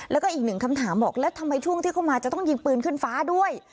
แล้วก็อีกหนึ่งคำถามบอกแล้วทำไมช่วงที่เข้ามาจะต้องยิงปืนขึ้นฟ้าด้วย